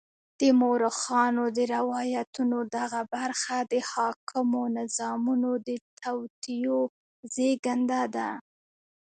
د مورخانو د روایتونو دغه برخه د حاکمو نظامونو د توطیو زېږنده ده.